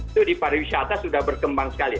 itu di pariwisata sudah berkembang sekali